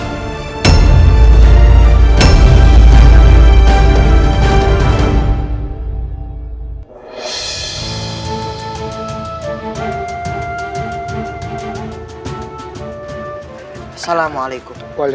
kita harus melakukan